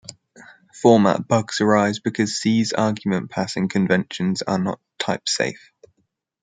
Format bugs arise because C's argument passing conventions are not type-safe.